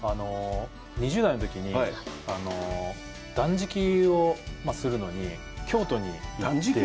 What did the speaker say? ２０代のときに断食をするのに京都に行って。